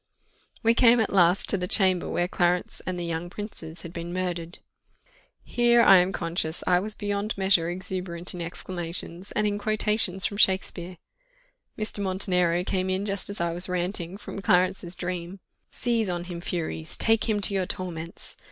We came at last to the chamber where Clarence and the young princes had been murdered. Here, I am conscious, I was beyond measure exuberant in exclamations, and in quotations from Shakspeare. Mr. Montenero came in just as I was ranting, from Clarence's dream "Seize on him, furies! take him to your torments!